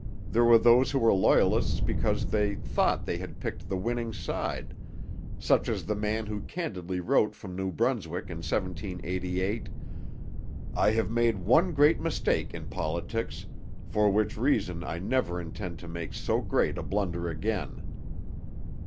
There were those who were Loyalists because they thought they had picked the winning side, such as the man who candidly wrote from New Brunswick in 1788, 'I have made one great mistake in politics, for which reason I never intend to make so great a blunder again.'